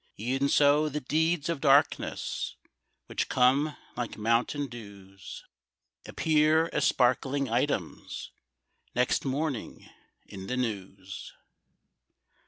E'en so the deeds of darkness, Which come like midnight dews, Appear as sparkling items Next morning in the news.